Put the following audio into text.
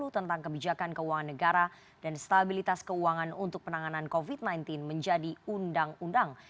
tentang kebijakan keuangan negara dan stabilitas keuangan untuk penanganan covid sembilan belas menjadi undang undang